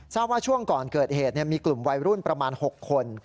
ทราบว่าช่วงก่อนเกิดเหตุมีกลุ่มวัยรุ่นประมาณ๖คน